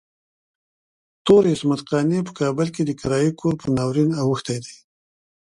تور عصمت قانع په کابل کې د کرايي کور په ناورين اوښتی دی.